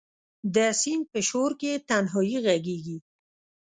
د سیند په شو رکې تنهایې ږغیږې